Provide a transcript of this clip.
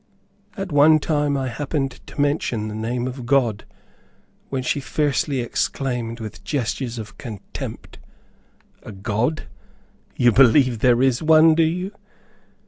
At one time I happened to mention the name of God, when she fiercely exclaimed with gestures of contempt, "A God! You believe there is one, do you?